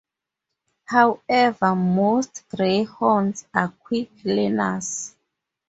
However, most Greyhounds are quick learners.